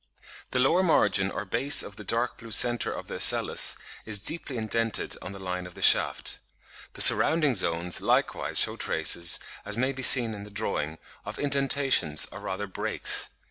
The lower margin or base of the dark blue centre of the ocellus is deeply indented on the line of the shaft. The surrounding zones likewise shew traces, as may be seen in the drawing (Fig. 54), of indentations, or rather breaks.